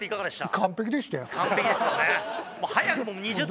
完璧でしたね。